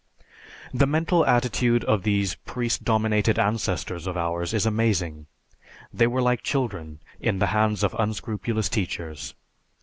_The mental attitude of these priest dominated ancestors of ours is amazing. They were like children in the hands of unscrupulous teachers.